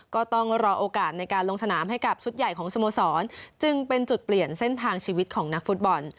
ก็ต้องรอโอกาสในการลงสนามให้กับชุดใหญ่ของสโมสรจึงเป็นจุดเปลี่ยนเส้นทางชีวิตของนักฟุตบอล